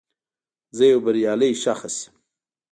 زه یو بریالی شخص یم